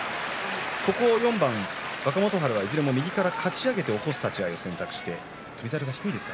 ここ４番、若元春はいずれも右からかち上げて起こす立ち合いをしています。